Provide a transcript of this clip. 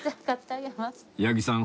八木さん